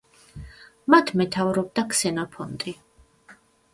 მათ მეთაურობდა ქსენოფონტი.